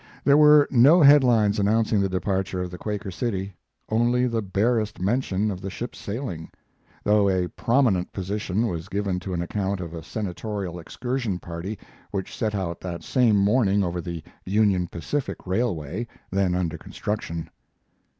There were no headlines announcing the departure of the Quaker City only the barest mention of the ship's sailing, though a prominent position was given to an account of a senatorial excursion party which set out that same morning over the Union Pacific Railway, then under construction.